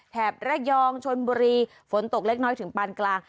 แบงชนบุรีฝนตกเล็กน้อยถึงปานกลาง